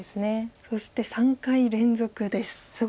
そして３回連続です。